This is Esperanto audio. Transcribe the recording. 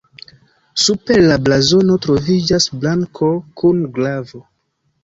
Super la blazono troviĝas brako kun glavo.